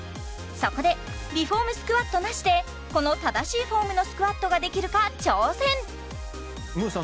そこで美フォームスクワットなしでこの正しいフォームのスクワットができるか挑戦ムーさん